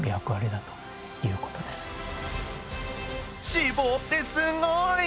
脂肪ってすごい！